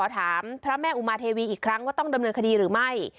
ถามพระแม่อุมาเทวีอีกครั้งว่าต้องดำเนินคดีหรือไม่